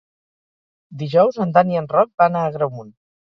Dijous en Dan i en Roc van a Agramunt.